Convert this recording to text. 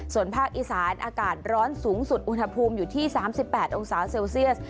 ส่วนภาคอีสานอากาศร้อนสูงสุดอุณหภูมิอยู่ที่๓๘องศาเซลเซียส